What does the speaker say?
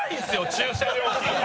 駐車料金が。